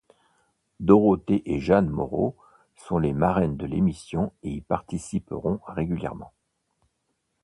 Dorothée et Jeanne Moreau sont les marraines de l'émission et y participeront régulièrement.